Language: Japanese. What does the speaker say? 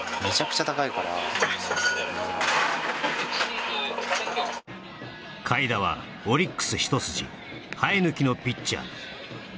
うん海田はオリックス一筋生え抜きのピッチャー